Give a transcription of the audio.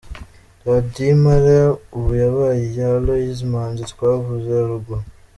-Radiyo Impala ubu yabaye iya Aloys Manzi twavuze haruguru.